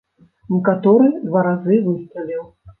Некаторы два разы выстраліў.